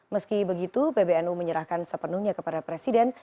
meski begitu pbnu menyerahkan sepenuhnya kepada presiden